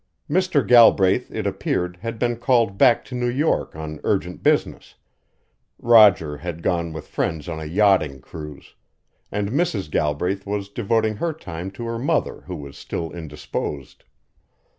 Mr. Galbraith, it appeared, had been called back to New York on urgent business; Roger had gone with friends on a yachting cruise; and Mrs. Galbraith was devoting her time to her mother who was still indisposed.